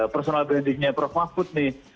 personal brandingnya prof mahfud nih